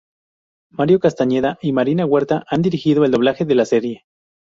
Mario Castañeda y Marina Huerta, han dirigido el doblaje de la serie.